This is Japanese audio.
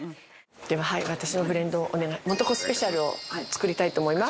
では私のブレンドを素子スペシャルを作りたいと思います。